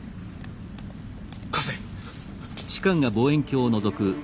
貸せ！